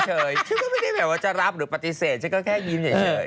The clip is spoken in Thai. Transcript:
ฉันก็ไม่ได้แบบว่าจะรับหรือปฏิเสธฉันก็แค่ยิ้มเฉย